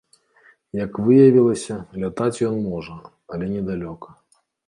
Як выявілася, лятаць ён можа, але недалёка.